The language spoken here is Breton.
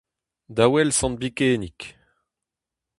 Da ouel sant Bikenig.